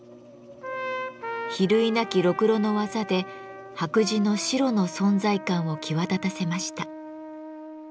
比類なきろくろの技で白磁の白の存在感を際立たせました。